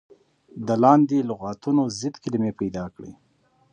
د لاندې لغتونو ضد کلمې پيداکړئ.